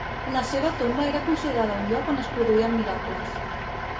La seva tomba era considerada un lloc on es produïen miracles.